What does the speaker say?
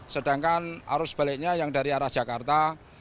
sedangkan arus baliknya yang dari arah jakarta